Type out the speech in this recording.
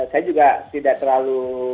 saya juga tidak terlalu